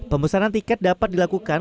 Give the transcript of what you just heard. pembesaran tiket dapat dilakukan